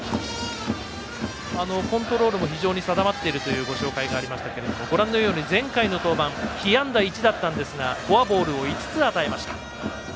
コントロールも非常に定まっているというご紹介がありましたが前回の登板被安打１だったんですがフォアボールを５つ与えました。